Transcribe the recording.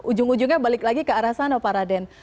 ujung ujungnya balik lagi ke arah sana pak raden